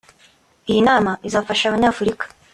Iyi nama izafasha Abanyafurika